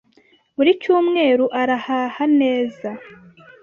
buri Cyumweru arahaha neza